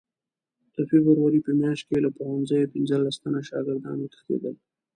د فبروري په میاشت کې له پوهنځیو پنځلس تنه شاګردان وتښتېدل.